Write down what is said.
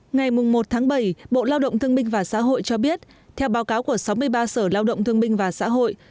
ngày một tháng bảy bộ lao động thương minh và xã hội cho biết theo báo cáo của sáu mươi ba sở lao động thương binh và xã hội